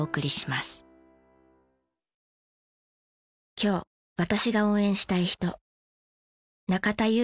今日私が応援したい人。